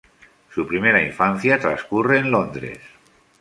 Su primera infancia transcurre en Londres.